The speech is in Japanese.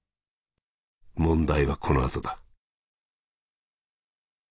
問題はこのあとだ」。